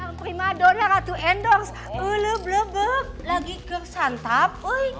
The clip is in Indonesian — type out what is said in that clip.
halo prima dona ratu endors ulub lubub lagi ke santap